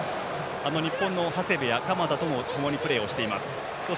日本の長谷部や鎌田ともともにプレーしています。